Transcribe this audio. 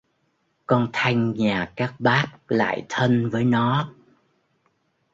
Con thanh nhà các bác lại thân với nó